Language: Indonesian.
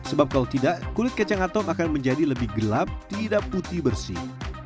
sebab kalau tidak kulit kacang atom akan menjadi lebih gelap tidak putih bersih